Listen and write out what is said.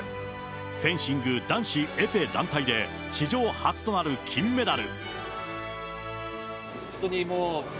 フェンシング男子エペ団体で、史上初となる金メダル。